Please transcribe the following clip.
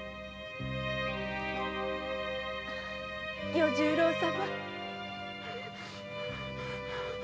与十郎様。